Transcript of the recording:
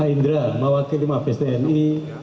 rahma indra mewakili mapes tni